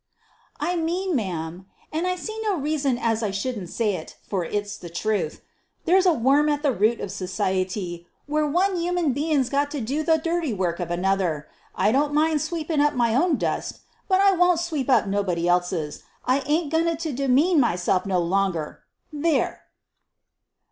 "I mean, ma'am an' I see no reason as I shouldn't say it, for it's the truth there's a worm at the root of society where one yuman bein' 's got to do the dirty work of another. I don't mind sweepin' up my own dust, but I won't sweep up nobody else's. I ain't a goin' to demean myself no longer! There!"